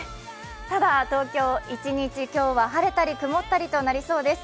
ただ東京、一日今日は晴れたり曇ったりとなりそうです。